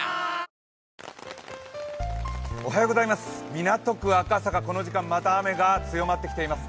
港区赤坂、この時間また雨が強まってきています。